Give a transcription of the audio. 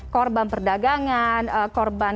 korban perdagangan korban